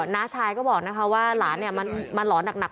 น้าชายก็บอกนะคะว่าหลานมันหลอนหนัก